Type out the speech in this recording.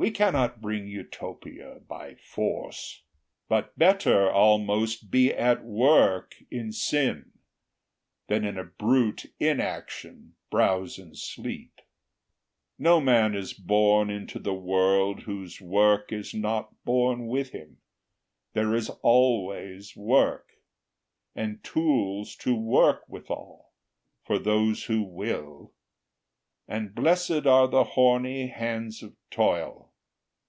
We cannot bring Utopia by force; But better, almost, be at work in sin; Than in a brute inaction browse and sleep. No man is born into the world, whose work Is not born with him; there is always work, And tools to work withal, for those who will; And blessèd are the horny hands of toil!